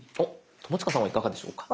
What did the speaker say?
友近さんはいかがでしょうか？